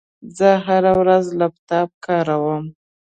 زه هره ورځ لپټاپ کاروم.